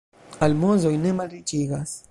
Almozoj ne malriĉigas.